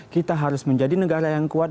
kita harus menjadi negara yang kuat